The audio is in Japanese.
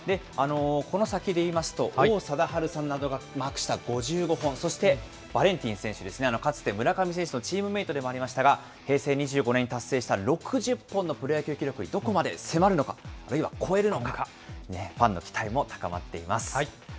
この先でいいますと、王貞治さんなどがマークした５５本、そしてバレンティン選手ですね、かつて村上選手のチームメートでもありましたが、平成２５年に達成した６０本のプロ野球記録にどこまで迫るのか、あるいは超えるのか、ファンの期待も高まっています。